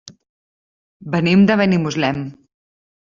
Venim de Benimuslem.